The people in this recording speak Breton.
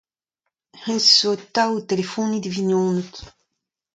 Hennezh a vez atav o telefoniñ d'e vignoned.